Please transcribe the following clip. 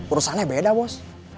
urusannya beda bos